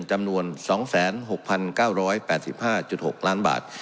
จำนวน๒๖๙๘๕๖ล้านบาท